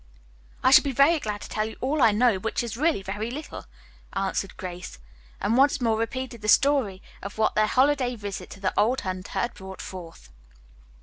"I shall be glad to tell you all I know, which is really very little," answered Grace, and once more repeated the story of what their holiday visit to the old hunter had brought forth.